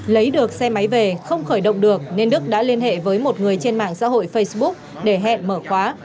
lấy được xe máy về không khởi động được nên đức đã liên hệ với một người trên mạng xã hội facebook để hẹn mở khóa